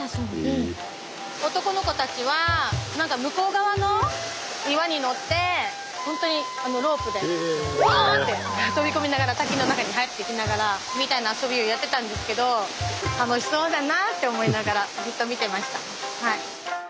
男の子たちは何か向こう側の岩に乗って本当にロープでうお！って飛び込みながら滝の中に入っていきながらみたいな遊びをやってたんですけど楽しそうだなって思いながらずっと見てました。